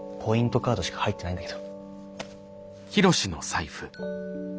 カードしか入ってないんだけど。